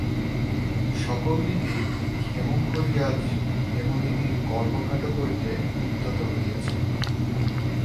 সকল দিকেই ক্ষেমংকরী আজ হেমনলিনীর গর্ব খাটো করিতে উদ্যত হইয়াছেন।